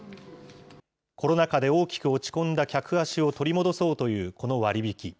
コロナ禍で大きく落ち込んだ客足を取り戻そうというこの割引。